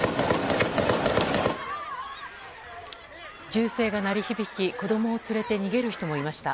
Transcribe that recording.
銃声が鳴り響き子供を連れて逃げる人もいました。